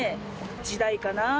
『時代』かな。